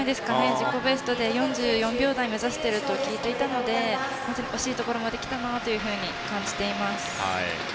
自己ベストで４４秒台を目指していると聞いていたので惜しいところまできたなと感じています。